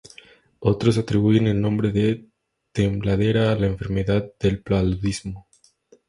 Otros atribuyen el nombre de Tembladera a la enfermedad del paludismo.